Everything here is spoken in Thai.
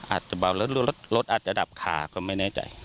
อาจจะเบาแล้วรถอาจจะดับขาก็ไม่แน่ใจ